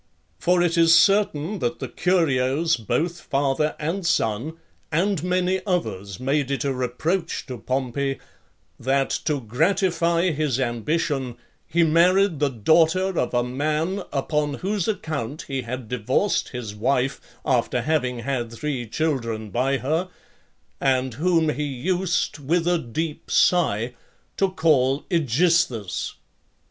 For it is certain that the Curios, both father and son, and many others, made it a reproach to Pompey, "That to gratify his ambition, he married the daughter of a man, upon whose account he had divorced his wife, after having had three children by her; and whom he used, with a deep sigh, to call Aegisthus."